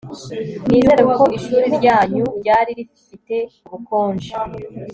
Nizere ko ishuri ryanyu ryari rifite ubukonje